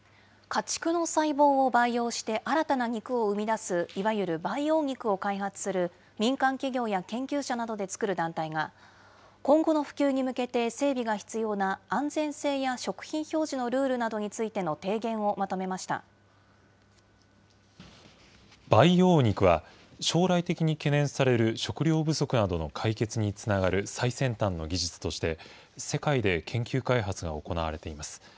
家畜の細胞を培養して新たな肉を生み出すいわゆる培養肉を開発する民間企業や研究者などで作る団体が、今後の普及に向けて整備が必要な安全性や食品表示のルールなどに培養肉は、将来的に懸念される食料不足などの解決につながる最先端の技術として、世界で研究開発が行われています。